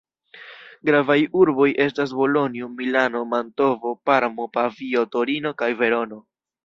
Gravaj urboj estas Bolonjo, Milano, Mantovo, Parmo, Pavio, Torino kaj Verono.